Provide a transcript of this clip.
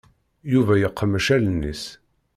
Yuba yeqmec allen-is.